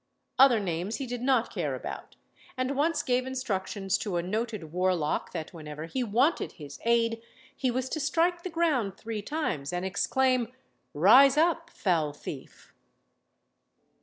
Other names he did not care about; and once gave instructions to a noted warlock that whenever he wanted his aid, he was to strike the ground three times and exclaim, "Rise up, foul thief!"